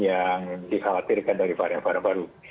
yang dikhawatirkan dari varian varian baru